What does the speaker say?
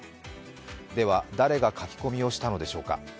では、誰が書き込みをしたのでしょうか。